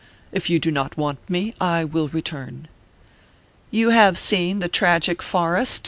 If you do not want me, I will return." " You have seen the tragic Forrest ?"